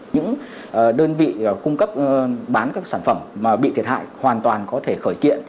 những đơn vị cung cấp bán các sản phẩm bị thiệt hại hoàn toàn có thể khởi kiện